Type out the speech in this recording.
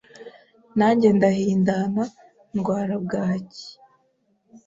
nanjye ndahindana ndwara bwaki